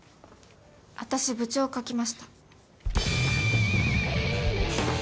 私部長を描きました。